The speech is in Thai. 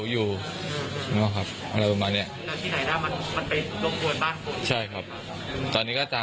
รู้มั้ยครับว่าถ้าเราเอาไปปล่อยก็จะได้รับความกลัวนี่